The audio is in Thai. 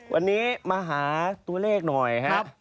วันนี้มาหาตัวเลขหน่อยครับ